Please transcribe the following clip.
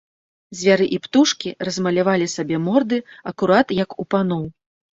Звяры і птушкі размалявалі сабе морды акурат як у паноў.